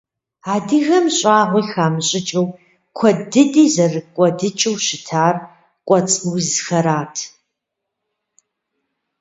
Адыгэм щӏагъуи хамыщӏыкӏыу, куэд дыди зэрыкӏуэдыкӏыу щытар кӏуэцӏ узхэрат.